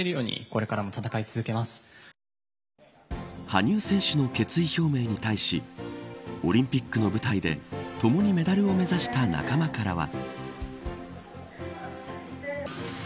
羽生選手の決意表明に対しオリンピックの舞台でともにメダルを目指した仲間からは。